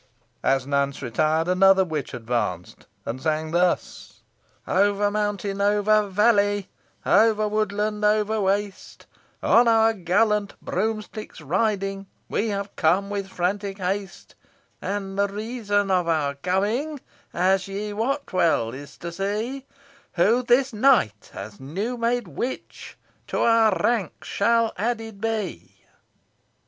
As Nance retired, another witch advanced, and sung thus: "Over mountain, over valley, over woodland, over waste, On our gallant broomsticks riding we have come with frantic haste, And the reason of our coming, as ye wot well, is to see Who this night, as new made witch, to our ranks shall added be."